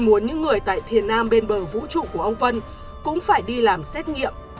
muốn những người tại thiền nam bên bờ vũ trụ của ông vân cũng phải đi làm xét nghiệm